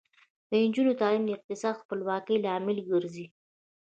د نجونو تعلیم د اقتصادي خپلواکۍ لامل ګرځي.